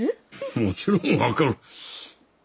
もちろん分かる。